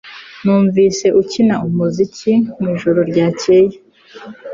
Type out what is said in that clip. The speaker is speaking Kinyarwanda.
Numvise ukina umuziki mwijoro ryakeye